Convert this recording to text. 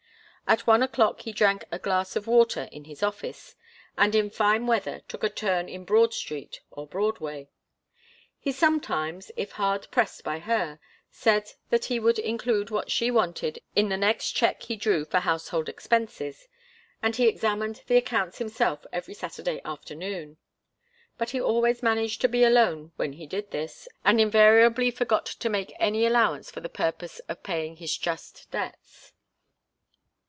At one o'clock he drank a glass of water in his office, and in fine weather took a turn in Broad Street or Broadway. He sometimes, if hard pressed by her, said that he would include what she wanted in the next cheque he drew for household expenses and he examined the accounts himself every Saturday afternoon but he always managed to be alone when he did this, and invariably forgot to make any allowance for the purpose of paying his just debts.